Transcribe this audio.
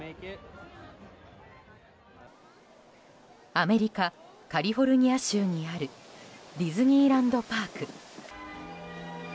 アメリカカリフォルニア州にあるディズニーランド・パーク。